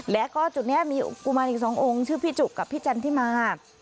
แล้วก็จุดนี้มีกุมารอีกสององค์ชื่อพี่จุกกับพี่จันทิมา